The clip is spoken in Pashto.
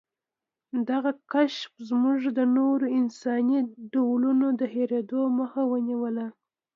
دغه کشف زموږ د نورو انساني ډولونو د هېرېدو مخه ونیوله.